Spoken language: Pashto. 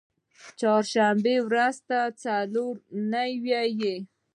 چهارشنبې ورځی ته څلور نۍ وایی